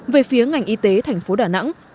về phía ngành y tế thành phố đà nẵng